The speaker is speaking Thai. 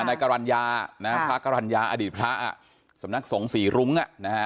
นายกรรณญาพระกรรณญาอดีตพระสำนักสงฆ์ศรีรุ้ง